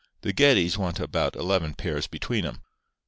The Geddies want about eleven pairs between 'em.